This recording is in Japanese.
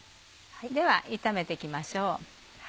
では炒めて行きましょう。